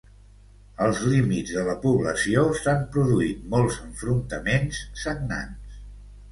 Als límits de la població s'han produït molts enfrontaments sagnants.